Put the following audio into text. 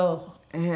ええ。